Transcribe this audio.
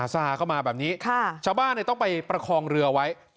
ซาเข้ามาแบบนี้ชาวบ้านต้องไปประคองเรือไว้